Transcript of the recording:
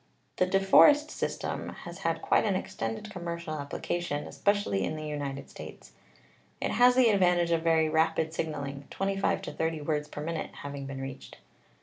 The De Forest system has had quite an extended com mercial application, especially in the United States. It has the advantage of very rapid signaling, 25 to 30 words per minute having been reached.